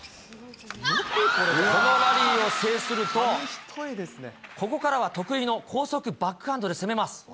このラリーを制すると、ここからは得意の高速バックハンドで攻めます。